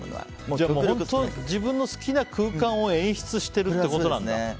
自分の好きな空間を演出してるってことなんだ。